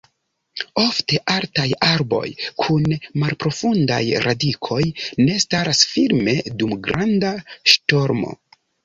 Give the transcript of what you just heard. Ofte altaj arboj kun malprofundaj radikoj ne staras firme dum granda ŝtormo.